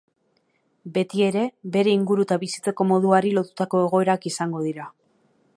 Betiere, bere inguru eta bizitzeko moduari lotutako egoerak izango dira.